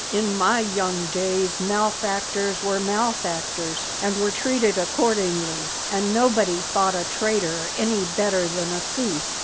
In my young days malefactors were malefactors and were treated accordingly, and nobody thought a traitor any better than a thief.